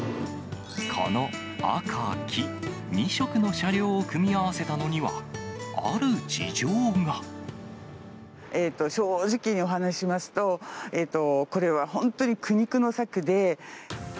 この赤、黄、２色の車両を組正直にお話ししますと、これは本当に苦肉の策で。